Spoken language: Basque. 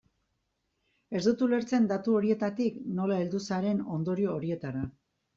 Ez dut ulertzen datu horietatik nola heldu zaren ondorio horietara.